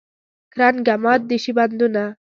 کرنګه مات دې شي بندونه.